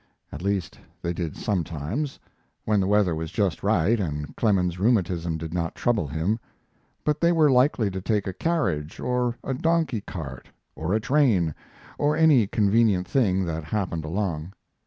At least they did sometimes, when the weather was just right and Clemens's rheumatism did not trouble him. But they were likely to take a carriage, or a donkey cart, or a train, or any convenient thing that happened along.